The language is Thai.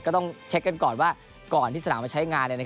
ก็ต้องเช็คกันก่อนว่าก่อนที่สนามมาใช้งาน